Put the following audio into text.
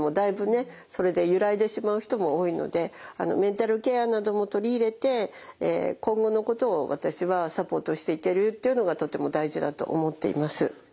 それで揺らいでしまう人も多いのでメンタルケアなども取り入れて今後のことを私はサポートしていけるっていうのがとても大事だと思っています。